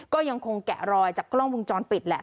ก็ยังคงแกะรอยจากกล้องวงจรปิดแหละ